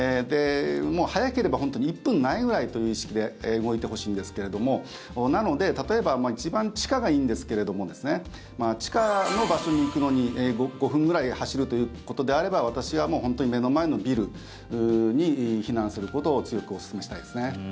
もう、早ければ１分ないぐらいという意識で動いてほしいんですけれどもなので、例えば一番、地下がいいんですけれども地下の場所に行くのに５分くらい走るということであれば私は、本当に目の前のビルに避難することを強くおすすめしたいですね。